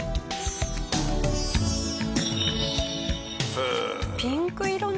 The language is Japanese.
へえ！